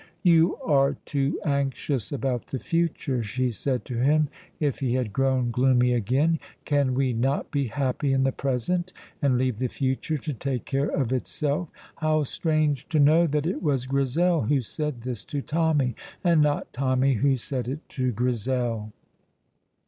"You are too anxious about the future," she said to him, if he had grown gloomy again. "Can we not be happy in the present, and leave the future to take care of itself?" How strange to know that it was Grizel who said this to Tommy, and not Tommy who said it to Grizel!